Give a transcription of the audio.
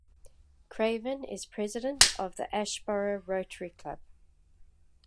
Craven is President of the Asheboro Rotary Club.